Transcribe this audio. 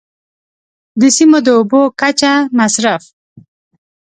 د سیمو د اوبو کچه، مصرف.